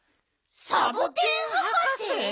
サボテンはかせ？